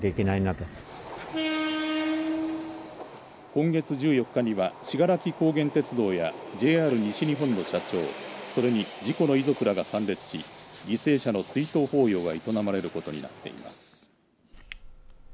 今月１４日には信楽高原鉄道やＪＲ西日本の社長それに事故の遺族らが参列し犠牲者の追悼法要が営まれることになっています。